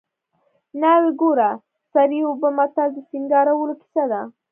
ناوې ګوره سر یې اوبه متل د سینګارولو کیسه ده